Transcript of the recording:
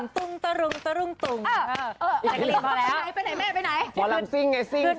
ตุ่งตุ่งตะรุงตะรุงตุ่ง